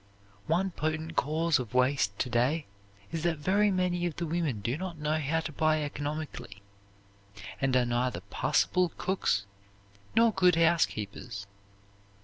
One potent cause of waste to day is that very many of the women do not know how to buy economically, and are neither passable cooks nor good housekeepers.